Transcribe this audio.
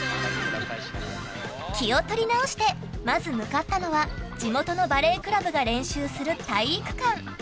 気を取り直してまず向かったのは地元のバレークラブが練習する体育館。